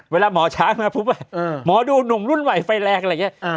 เวลาหมอช้ามาหมอดูหนุ่มรุ่นใหม่ไฟแรกอะไรแบบนี้